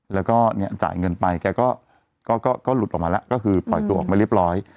แล้วก็เนี่ยจ่ายเงินไปแกก็หลุดออกมาแล้วก็คือปล่อยตัวออกมาเรียบร้อย